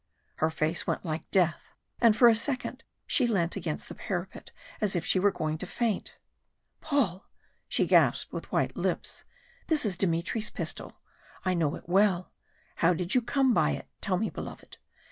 Her face went like death, and for a second she leant against the parapet as if she were going to faint. "Paul," she gasped with white lips, "this is Dmitry's pistol. I know it well. How did you come by it? tell me, beloved.